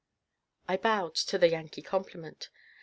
I bowed to the Yankee compliment.